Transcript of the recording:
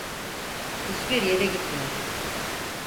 Hiçbir yere gitmiyor.